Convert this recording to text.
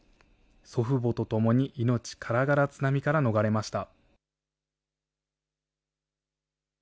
祖父母とともに命からがら津波から逃れました。